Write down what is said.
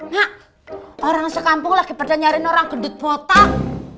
mak orang sekampung lagi pada nyariin orang gendut botak